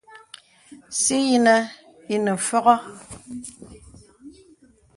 Sì yìnə ìnə fɔ̄gɔ̄.